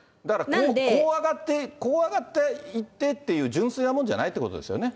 だからこう上がって、こう上がっていってっていう、純粋なもんじゃないっていうことですよね。